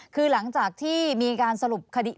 คือหลังจากที่มีการสรุปคดี